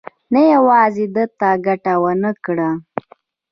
نه یوازې ده ته ګټه ونه کړه.